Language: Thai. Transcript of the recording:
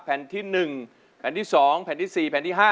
แผ่นที่๑แผ่นที่๒แผ่นที่๔แผ่นที่๕